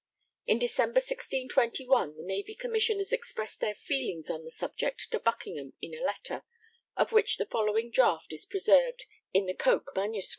In December 1621 the Navy Commissioners expressed their feelings on the subject to Buckingham in a letter, of which the following draft is preserved in the Coke MSS.